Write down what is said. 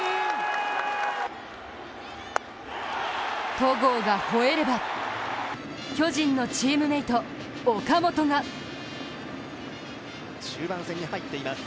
戸郷がほえれば、巨人のチームメート・岡本が中盤戦に入っています。